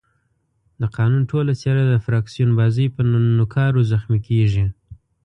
د قانون ټوله څېره د فراکسیون بازۍ په نوکارو زخمي کېږي.